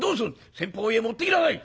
「先方へ持っていきなさい」。